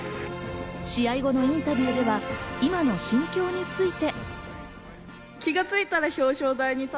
試合後のインタビューでは今の心境について。